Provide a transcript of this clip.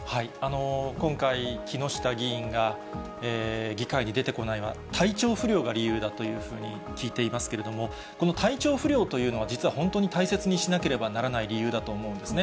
今回、木下議員が議会に出てこないのは、体調不良が理由だというふうに聞いていますけれども、この体調不良というのは、実は本当に大切にしなければならない理由だと思うんですね。